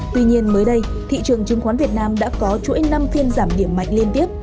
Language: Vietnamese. tuy nhiên mới đây thị trường chứng khoán việt nam đã có chuỗi năm phiên giảm điểm mạnh liên tiếp